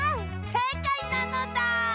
せいかいなのだ！